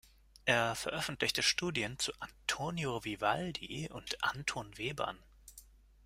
Er veröffentlichte Studien zu Antonio Vivaldi und Anton Webern.